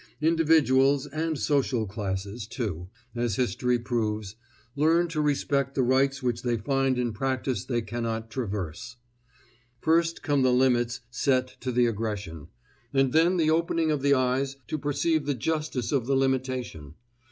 Individuals, and social classes, too, as history proves, learn to respect the rights which they find in practice they cannot traverse. First come the limits set to the aggression, and then the opening of the eyes to perceive the justice of the limitation.